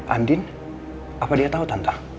andin apa dia tau tante